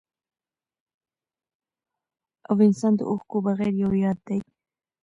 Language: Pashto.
او انسان د اوښکو بغير يو ياد دی